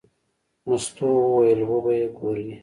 مستو وویل: وبه یې ګورې.